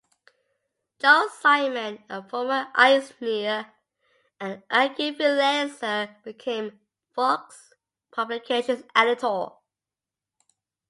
Joe Simon, a former Eisner and Iger freelancer, became Fox Publications' editor.